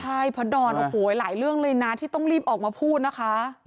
ใช่พระดอนโอ้โหหลายเรื่องเลยนะที่ต้องรีบออกมาพูดนะคะ